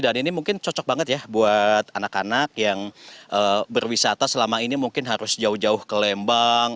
dan ini mungkin cocok banget ya buat anak anak yang berwisata selama ini mungkin harus jauh jauh ke lembang